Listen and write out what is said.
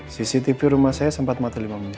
cctv rumah saya sempat mata lima menit